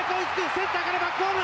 センターからバックホーム！